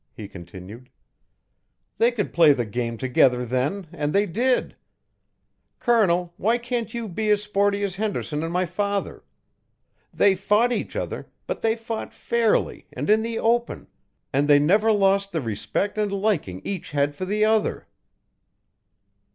he continued. "They could play the game together then, and they did. Colonel, why can't you be as sporty as Henderson and my father? They fought each other, but they fought fairly and in the open, and they never lost the respect and liking each had for the other."